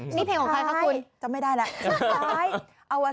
นี่เพลงของทายครับหละคุณ